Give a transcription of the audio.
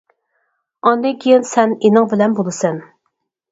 ئاندىن كېيىن سەن ئېنىڭ بىلەن بولىسەن!